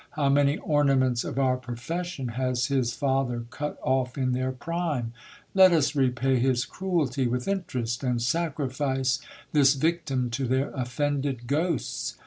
How many ornaments of our profession has his father cut off in their prime ! Let us repay his cruelty with interest, and sacrifice this victim to their offended ghosts.